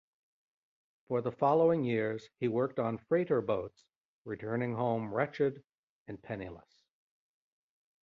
For the following years he worked on freighter boats, returning home wretched and penniless.